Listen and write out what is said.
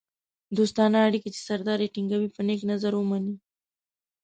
دوستانه اړیکې چې سردار یې ټینګوي په نېک نظر ومني.